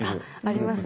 ありますね。